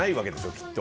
きっと。